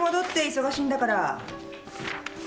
忙しいんだから。